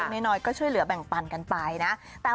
น้อยก็ช่วยเหลือแบ่งปันกันไปนะ